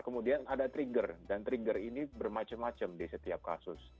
kemudian ada trigger dan trigger ini bermacam macam di setiap kasus